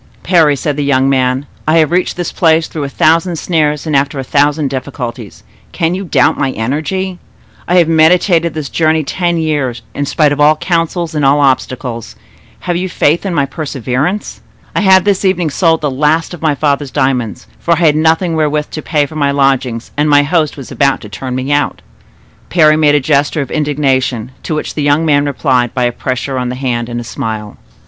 "Parry," said the young man, "I have reached this place through a thousand snares and after a thousand difficulties; can you doubt my energy? I have meditated this journey ten years, in spite of all counsels and all obstacles—have you faith in my perseverance? I have this evening sold the last of my father's diamonds; for I had nothing wherewith to pay for my lodgings and my host was about to turn me out." Parry made a gesture of indignation, to which the young man replied by a pressure of the hand and a smile.